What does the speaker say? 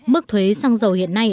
mức thuế sang dầu hiện nay